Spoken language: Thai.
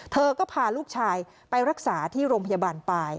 เธอก็พาลูกชายไปรักษาที่โรงพยาบาลปลาย